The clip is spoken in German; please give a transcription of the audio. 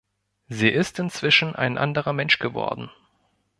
Sie ist inzwischen ein anderer Mensch geworden.